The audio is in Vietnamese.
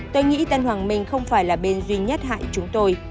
tôi nghĩ tân hoàng minh không phải là bên duy nhất hại chúng tôi